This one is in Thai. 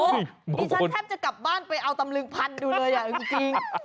ดิฉันแทบจะกลับบ้านไปเอาตำลึงพันดูเลยจริง